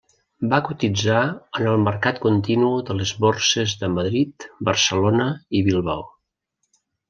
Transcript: Va cotitzar en el Mercat Continu de les Borses de Madrid, Barcelona i Bilbao.